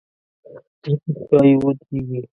زړه ښایي ودریږي.